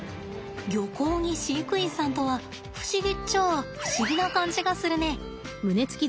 漁港に飼育員さんとは不思議っちゃあ不思議な感じがするね。